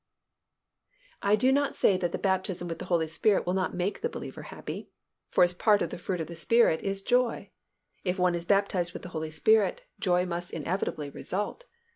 I do not say that the baptism with the Holy Spirit will not make the believer happy; for as part of the fruit of the Spirit is "joy," if one is baptized with the Holy Spirit, joy must inevitably result.